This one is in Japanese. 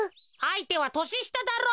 あいてはとししただろ。